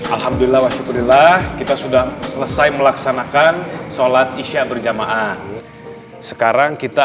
alhamdulillah wa syukurillah kita sudah selesai melaksanakan shalat isya'berjamaah sekarang kita